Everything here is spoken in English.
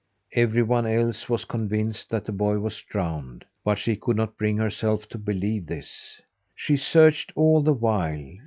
Everyone else was convinced that the boy was drowned, but she could not bring herself to believe this. She searched all the while.